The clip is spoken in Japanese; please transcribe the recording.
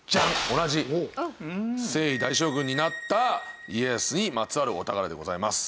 同じ征夷大将軍になった家康にまつわるお宝でございます。